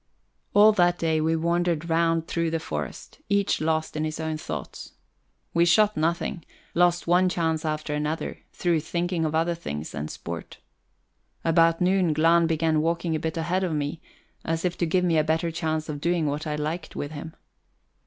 All that day we wandered round through the forest, each lost in his own thoughts. We shot nothing lost one chance after another, through thinking of other things than sport. About noon, Glahn began walking a bit ahead of me, as if to give me a better chance of doing what I liked with him.